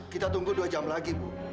kita tunggu dua jam lagi bu